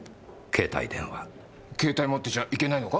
携帯持ってちゃいけないのか？